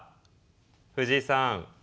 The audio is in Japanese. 藤井さん。